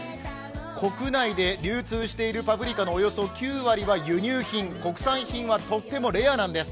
国内で流通しているパプリカのおよそ９割は輸入品国産品はとってもレアなんです。